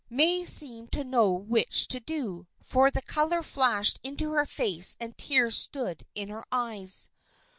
May seemed to know which to do, for the color flashed into her face and tears stood in her eyes.